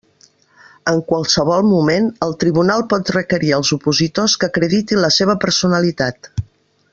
En qualsevol moment el Tribunal pot requerir als opositors que acreditin la seva personalitat.